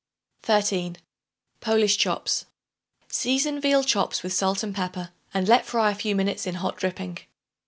13. Polish Chops. Season veal chops with salt and pepper and let fry a few minutes in hot dripping.